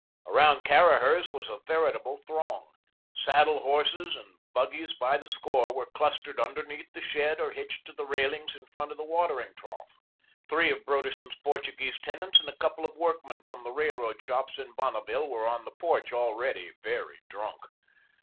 Around Caraher's was a veritable throng. Saddle horses and buggies by the score were clustered underneath the shed or hitched to the railings in front of the watering trough. Three of Broderson's Portuguese tenants and a couple of workmen from the railroad shops in Bonneville were on the porch, already very drunk.